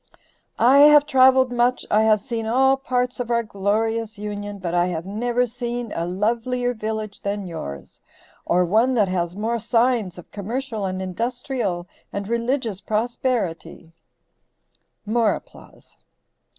I have traveled much, I have seen all parts of our glorious union, but I have never seen a lovelier village than yours, or one that has more signs of commercial and industrial and religious prosperity (more applause)."